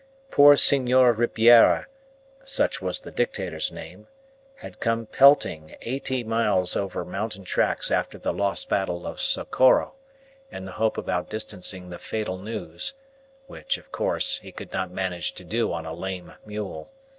Poor Senor Ribiera (such was the dictator's name) had come pelting eighty miles over mountain tracks after the lost battle of Socorro, in the hope of out distancing the fatal news which, of course, he could not manage to do on a lame mule.